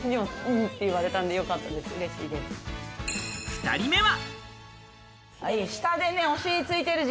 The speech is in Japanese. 二人目は。